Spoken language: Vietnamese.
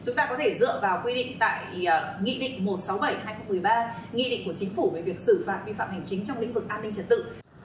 nghị định của chính phủ về việc xử phạt vi phạm hành chính trong lĩnh vực an ninh trật tự